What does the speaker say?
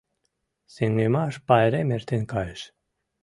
Сеҥымаш пайрем эртен кайыш.